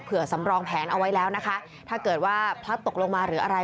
สำรองแผนเอาไว้แล้วนะคะถ้าเกิดว่าพลัดตกลงมาหรืออะไร